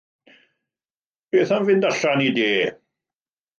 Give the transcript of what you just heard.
Beth am fynd allan i de.